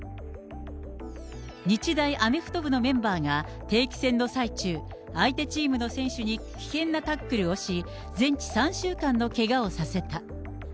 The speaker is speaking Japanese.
日大アメフト部のメンバーが定期戦の最中、相手チームの選手に危険なタックルをし、全治３週間のけがをさせた。